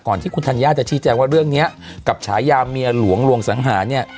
ที่คุณธัญญาจะชี้แจงว่าเรื่องนี้กับฉายาเมียหลวงลวงสังหารเนี่ย